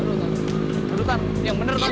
duduk yang bener tante